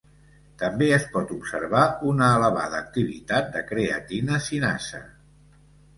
També es pot observar una elevada activitat de creatina-cinasa.